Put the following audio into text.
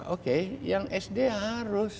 oke yang sd harus